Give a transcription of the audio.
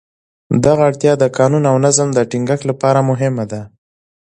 دغه اړتیا د قانون او نظم د ټینګښت لپاره مهمه ده.